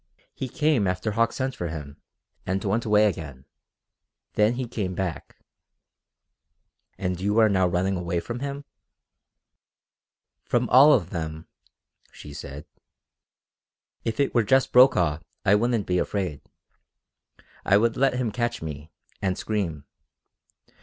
He came after Hauck sent for him, and went away again. Then he came back." "And you are now running away from him?" "From all of them," she said. "If it were just Brokaw I wouldn't be afraid. I would let him catch me, and scream.